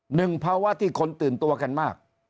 หนึ่งภาวะที่คนตื่นตัวกันมาก